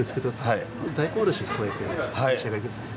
大根おろしを添えてお召し上がり下さい。